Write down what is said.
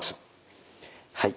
はい。